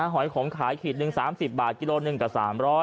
หอยขมขายขีดหนึ่ง๓๐บาทกิโลหนึ่งก็๓๐๐